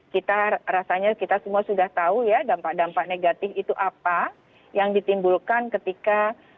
kita rasanya kita semua sudah tahu ya dampak dampak negatif itu apa yang ditimbulkan ketika